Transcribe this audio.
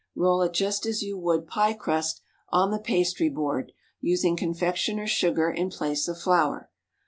Roll it just as you would pie crust on the pastry board, using confectioners' sugar in place of flour.